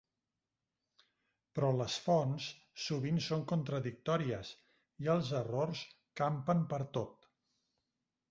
Però les fonts sovint són contradictòries i els errors campen pertot.